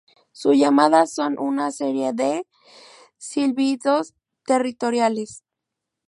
Su llamada son una serie de silbidos territoriales.